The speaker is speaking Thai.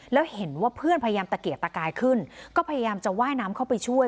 แล้วเห็นว่าเพื่อนพยายามตะเกียกตะกายขึ้นก็พยายามจะว่ายน้ำเข้าไปช่วย